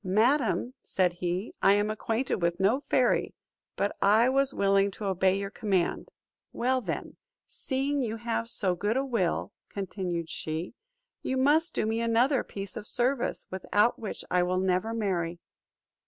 "Madam," said he, "I am acquainted with no fairy; but I was willing to obey your command." "Well, then, seeing you have so good a will," continued she, "you must do me another piece of service, without which I will never marry.